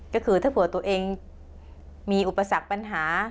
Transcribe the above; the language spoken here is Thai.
ก็คือถ้าเผื่อตัวเองมีอุปสรรคปัญหา